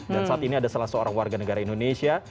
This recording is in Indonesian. dan saat ini ada salah seorang warga negara indonesia